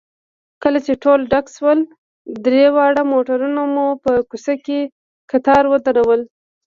کله چې ټول ډک شول، درې واړه موټرونه مو په کوڅه کې کتار ودرول.